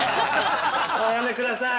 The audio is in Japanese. ◆おやめください。